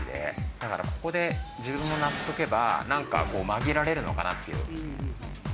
だからここで自分も鳴っとけばなんかこう紛れられるのかなっていう。